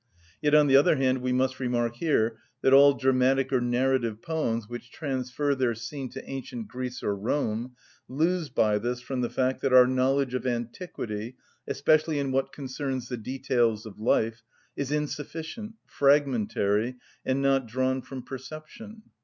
Yet, on the other hand, we must remark here that all dramatic or narrative poems which transfer their scene to ancient Greece or Rome lose by this from the fact that our knowledge of antiquity, especially in what concerns the details of life, is insufficient, fragmentary, and not drawn from perception.